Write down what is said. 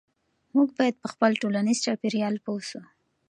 موږ باید په خپل ټولنیز چاپیریال پوه سو.